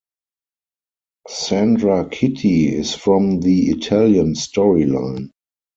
Sandra Citti is from the Italian Storyline.